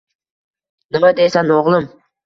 — Nima deysan, o'g'lim.